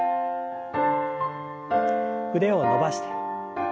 腕を伸ばして。